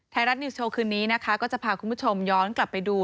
ไทยรัฐนิวสโชว์คืนนี้นะคะก็จะพาคุณผู้ชมย้อนกลับไปดู